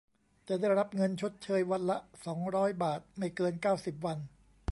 จะได้รับเงินชดเชยวันละ สองร้อย บาท ไม่เกิน เก้าสิบ วัน